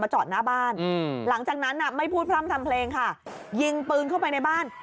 จอดหน้าบ้านหลังจากนั้นไม่พูดพร่ำทำเพลงค่ะยิงปืนเข้าไปในบ้าน